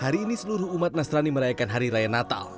hari ini seluruh umat nasrani merayakan hari raya natal